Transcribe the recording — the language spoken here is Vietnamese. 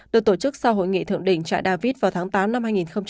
được tổ chức sau hội nghị thượng đỉnh trại david vào tháng tám năm hai nghìn hai mươi